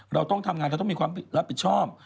เราต้องทำงานเราต้องมีความรับผิดชอบ